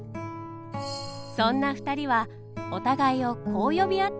そんな２人はお互いをこう呼び合っていたようです。